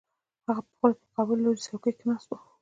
هغه پخپله په مقابل لوري څوکۍ کې ناست و